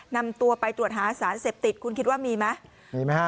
นำตัวไปตรวจหาสารเสพติดคุณคิดว่ามีไหมมีไหมฮะ